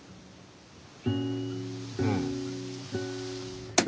うん。